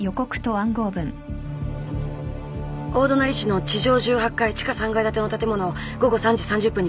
「大隣市の地上１８階地下３階建ての建物を午後３時３０分に爆破する」って。